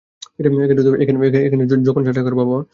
এখানে যখন তখন ছাঁটাই করা হয়, বাবা।